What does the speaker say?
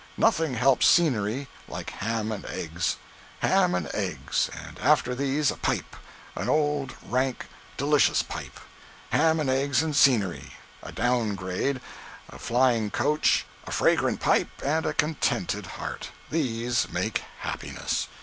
Nothing helps scenery like ham and eggs. Ham and eggs, and after these a pipe—an old, rank, delicious pipe—ham and eggs and scenery, a "down grade," a flying coach, a fragrant pipe and a contented heart—these make happiness.